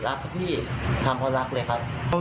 รักพี่ทำเพราะรักเลยครับ